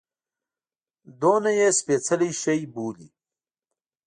دومره یې سپیڅلی شي بولي.